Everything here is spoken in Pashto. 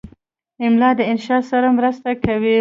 املا د انشا سره مرسته کوي.